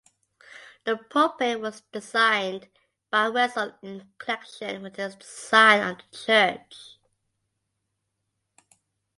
The pulpit was designed by Wessel in connection with his design of the church.